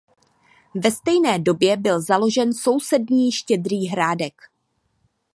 Ve stejné době byl založen sousední Štědrý hrádek.